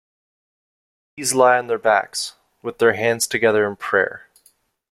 These lie on their backs, with hands together in prayer.